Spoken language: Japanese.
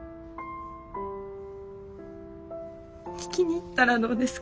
聞きに行ったらどうですか？